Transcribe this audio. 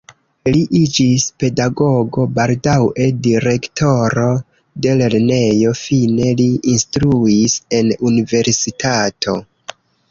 Li iĝis pedagogo, baldaŭe direktoro de lernejo, fine li instruis en universitato.